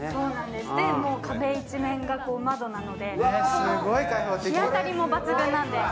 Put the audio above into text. で、壁一面が窓なので日当たりも抜群なんです。